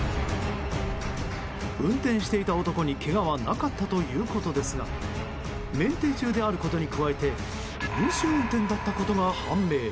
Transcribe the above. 運転していた男にけがはなかったということですが免停中であることに加えて飲酒運転だったことが判明。